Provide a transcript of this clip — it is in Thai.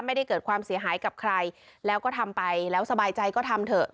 ไม่ได้เกิดความเสียหายกับใครแล้วก็ทำไปแล้วสบายใจก็ทำเถอะ